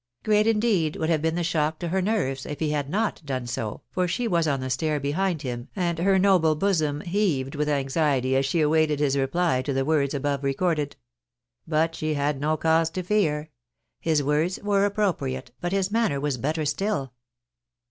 Great indeed would have been the shock to her nerves, if he had not done so, for she was on the stair behind him, and her noble bosom heaved with anxiety as she awaited his reply to the words above recorded. But she had no cause to fear ; his words were appropriate, but his manner was better still.